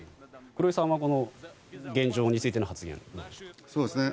黒井さんはこの現状についての発言はどうでしょう。